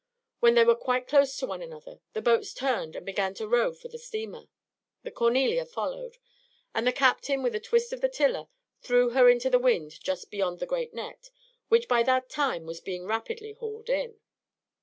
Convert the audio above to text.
When they were quite close to one another, the boats turned and began to row for the steamer. The "Cornelia" followed; and the Captain with a twist of the tiller threw her into the wind just beyond the great net, which by that time was being rapidly hauled in.